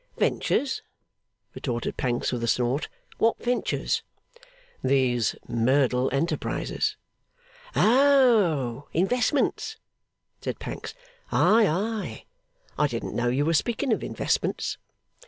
'Ventures?' retorted Pancks, with a snort. 'What ventures?' 'These Merdle enterprises.' 'Oh! Investments,' said Pancks. 'Ay, ay! I didn't know you were speaking of investments.